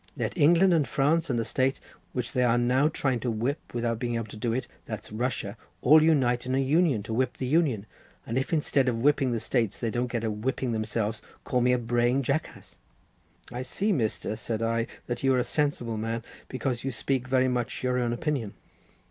Let England and France and the State which they are now trying to whip without being able to do it, that's Russia, all unite in a union to whip the Union, and if instead of whipping the States they don't get a whipping themselves, call me a braying jackass—" "I see, Mr.," said I, "that you are a sensible man, because you speak very much my own opinion.